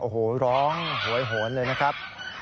โอ้โหร้องหวยโหนเลยนะครับ